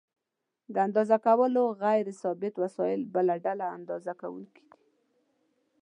د اندازه کولو غیر ثابت وسایل بله ډله اندازه کوونکي دي.